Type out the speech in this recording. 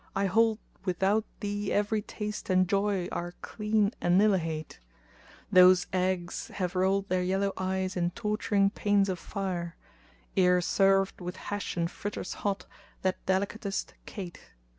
I hold * Without thee every taste and joy are clean annihilate Those eggs have rolled their yellow eyes in torturing pains of fire * Ere served with hash and fritters hot, that delicatest cate.